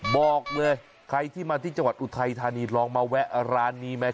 บอกเลยใครที่มาที่จังหวัดอุทัยธานีลองมาแวะร้านนี้ไหม